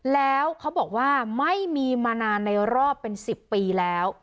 แล้วเขาบอกว่าไม่มีมานานในรอบเป็น๑๐ปีแล้ว